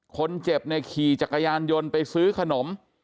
คนเจ็บเนี่ยขี่จักรยานยนต์ไปซื้อขนม